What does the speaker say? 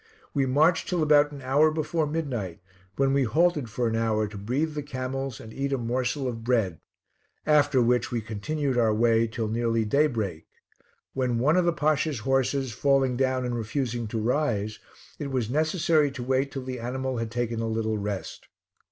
We marched till about an hour before midnight, when we halted for an hour to breathe the camels and to eat a morsel of bread, after which we continued our way till nearly day break, when one of the Pasha's horses falling down and refusing to rise, it was necessary to wait till the animal had taken a little rest.